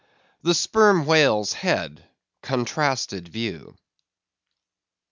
The Sperm Whale's Head—Contrasted View.